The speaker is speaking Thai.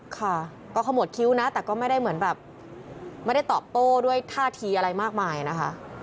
ค่ะก็ขมวดคิ้วนะแต่ก็ไม่ได้เหมือนแบบไม่ได้ตอบโต้ด้วยท่าทีอะไรมากมายนะคะ